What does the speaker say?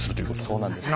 そうなんです。